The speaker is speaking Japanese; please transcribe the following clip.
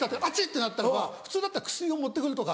てなったのが普通だったら薬を持って来るとか。